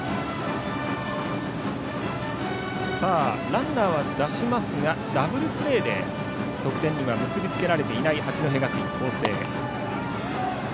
ランナーは出しますがダブルプレーで得点には結び付けられていない八戸学院光星。